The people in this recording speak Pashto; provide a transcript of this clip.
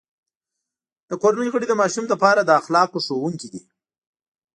د کورنۍ غړي د ماشوم لپاره د اخلاقو ښوونکي دي.